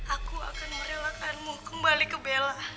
aku akan merelakanmu kembali ke bella